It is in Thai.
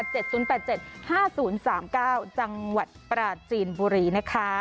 จังหวัดปราจีนบุรีนะคะ